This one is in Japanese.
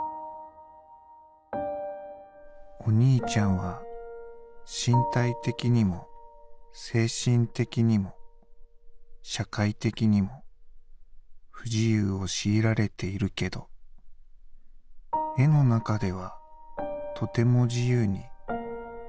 「お兄ちゃんは身体的にも精神的にも社会的にも不自由をしいられているけど絵の中ではとても自由にとてものびのびと生きていると思う。